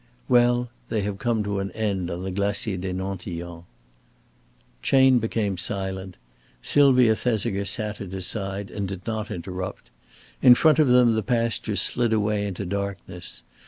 Well, they have come to an end on the Glacier des Nantillons." Chayne became silent; Sylvia Thesiger sat at his side and did not interrupt. In front of them the pastures slid away into darkness.